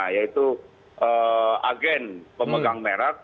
yaitu agen pemegang merek